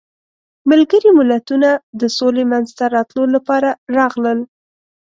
ملګري ملتونه د سولې منځته راتلو لپاره راغلل.